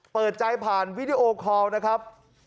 เปิดใจผ่านวิดีโอคอลนะครับ